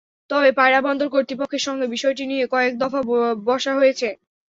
তবে পায়রা বন্দর কর্তৃপক্ষের সঙ্গে বিষয়টি নিয়ে কয়েক দফা বসা হয়েছে।